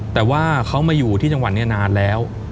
แต่ว่าเขามาอยู่ที่จังหวัดนี้นานแล้ว